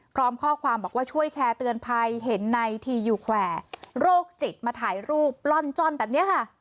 พร้อมข้อความบอกว่าช่วยแชร์เตือนภัยเห็นในทียูแควร์โรคจิตมาถ่ายรูปปล่อนจ้อนแบบนี้ค่ะ